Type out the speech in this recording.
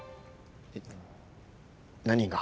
えっ？何が。